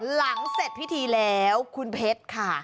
หลังเสร็จพิธีแล้วคุณเพชรค่ะ